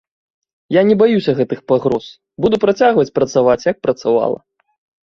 Я не баюся гэтых пагроз, буду працягваць працаваць як працавала.